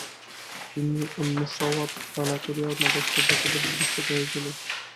তিনি উন্মুসসা’ওয়াত তানাকুরিয়া মাদ্রাসার অধ্যক্ষ পদে অধিষ্ঠিত হয়েছিলেন।